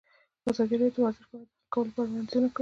ازادي راډیو د ورزش په اړه د حل کولو لپاره وړاندیزونه کړي.